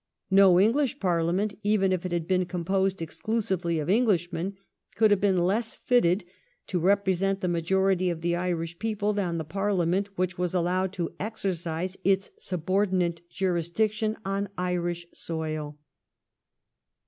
No English Parhament, even if it had been composed exclusively of Englishmen, could have been less fitted to represent the majority of the Irish people than the Parliament which was allowed to exercise its subordinate jurisdiction on Irish soil.